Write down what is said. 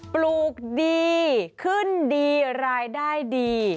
ปลูกดีขึ้นดีรายได้ดี